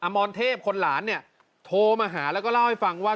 มรเทพคนหลานเนี่ยโทรมาหาแล้วก็เล่าให้ฟังว่า